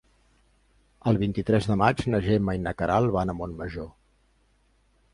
El vint-i-tres de maig na Gemma i na Queralt van a Montmajor.